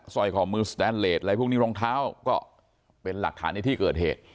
ร้อยข้อมือสแตนเลสอะไรพวกนี้รองเท้าก็เป็นหลักฐานในที่เกิดเหตุ